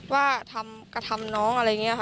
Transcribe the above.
ว่ากระทำน้องอะไรอย่างนี้ค่ะ